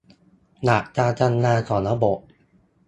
หลักการทำงานของระบบ